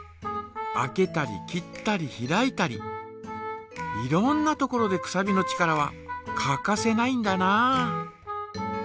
開けたり切ったり開いたりいろんなところでくさびの力は欠かせないんだな。